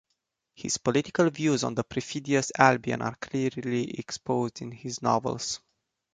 His political views on the "perfidious Albion" are clearly expressed in his novels.